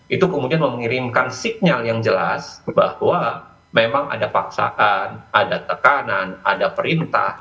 itu kemudian mengirimkan signal yang jelas bahwa memang ada paksaan ada tekanan ada perintah